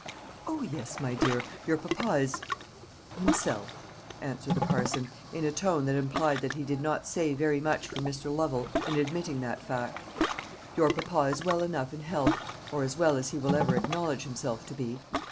"O, yes, my dear; your papa is himself," answered the parson, in a tone that implied that he did not say very much for Mr. Lovel in admitting that fact. "Your papa is well enough in health, or as well as he will ever acknowledge himself to be.